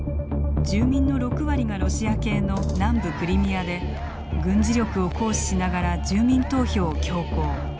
住民の６割がロシア系の南部クリミアで軍事力を行使しながら住民投票を強行。